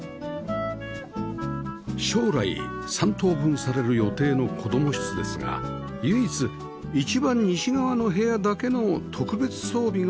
将来３等分される予定の子供室ですが唯一一番西側の部屋だけの特別装備があります